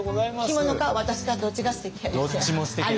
着物か私かどっちがすてきやねんな？